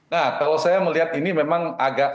nah kalau saya melihat ini memang agak